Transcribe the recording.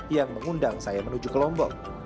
yang mengundang saya menuju ke lombok